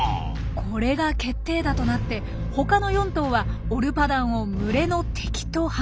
これが決定打となって他の４頭はオルパダンを群れの敵と判断したようなんです。